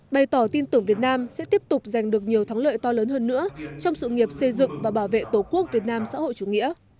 bày tỏ tin tưởng việt nam sẽ tiếp tục giành được nhiều thắng lợi to lớn hơn nữa trong sự nghiệp xây dựng và bảo vệ tổ quốc việt nam xã hội chủ nghĩa